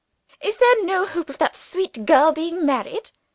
"Is there no hope yet of that sweet girl being married?"